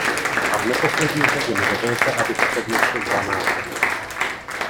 A v neposlední řadě mi dovolte, abych přednesl dva návrhy.